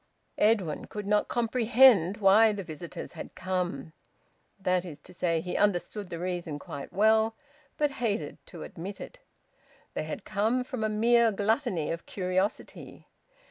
Edwin could not comprehend why the visitors had come. That is to say, he understood the reason quite well, but hated to admit it. They had come from a mere gluttony of curiosity.